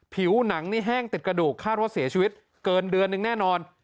ผิวหนังนี่แห้งติดกระดูกคาดว่าเสียชีวิตเกินเดือนนึงแน่นอน